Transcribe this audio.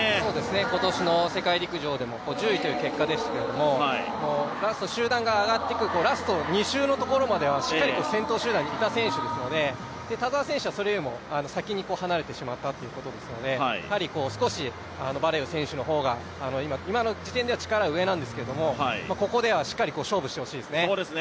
今年の世界陸上でも１０位という結果でしたけども、集団が上がっていくラスト２周のところまではしっかり先頭集団にいた選手ですので田澤選手はそれよりも先に離れてしまったということですので少しバレウ選手の方が、今の時点では力が上なんですけど、ここではしっかり勝負してほしいですね。